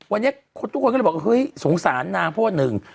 วันนี้ทุกคนก็เลยบอกเฮ้ยสงสารนางเพราะว่าหนึ่ง